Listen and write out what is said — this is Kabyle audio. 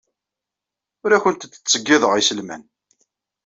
Ur awent-d-ttṣeyyideɣ iselman.